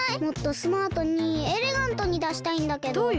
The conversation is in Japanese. もっとスマートにエレガントにだしたいんだけど。